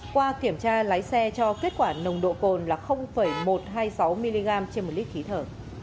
qua kiểm tra lái xe cho kết quả nồng độ cồn là một trăm hai mươi sáu mg trên một lít khí thở